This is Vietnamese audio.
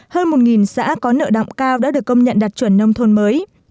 hơn một xã có nợ động cao đã được công nhận đạt chuẩn nông thôn mới